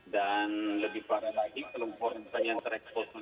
dan lebih parah lagi kelompok orang orang yang terexposur ini